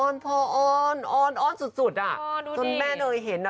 อ้อนพ่ออ้อนอ้อนอ้อนสุดสุดอ่ะอ้อนดูดิต้นแม่โดยเห็นน่ะ